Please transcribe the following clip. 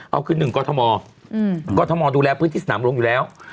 เอาคือ๑กรทมกรทมดูแลพื้นที่สนามหลวงอยู่แล้ว